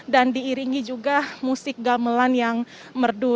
dan diiringi juga musik gamelan yang merdu